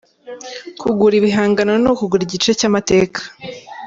Kugura ibihangano ni ukugura igice cy’amateka.